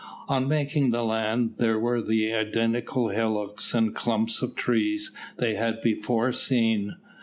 On making the land, there were the identical hillocks and clumps of trees they had before seen.